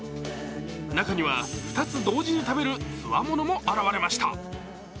中には２つ同時に食べる強者も現れました。